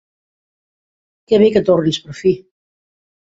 Que bé que tornis per fi.